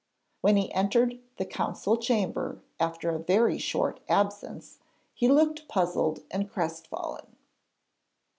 When he entered the council chamber after a very short absence, he looked puzzled and crestfallen.